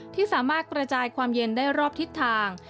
ที่สามารถกระจายความเย็นได้รอบทิศทาง